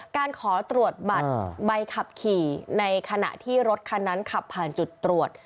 การขอตรวจบัตรใบขับขี่ในขณะที่รถคันนั้นขับผ่านจุดตรวจ